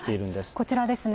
こちらですね。